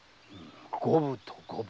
五分と五分。